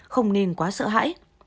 không nên quá sợ hãi